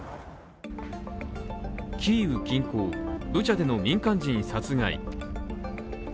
キーウ近郊ブチャでの民間人殺害。